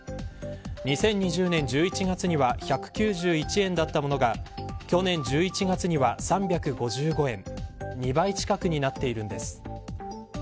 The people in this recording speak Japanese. ２０２０年１１月には１９１円だったものが去年１１月には３５５円２倍近くになっているんです。